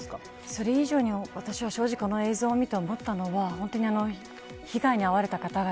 それ以上に、私がこの映像を見て思ったのは被害に遭われた方々